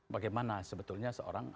bagaimana sebetulnya seorang